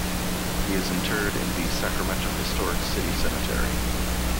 He is interred in the Sacramento Historic City Cemetery.